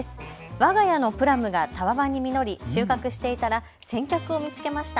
わが家のプラムがたわわに実り収穫していたら先客を見つけました。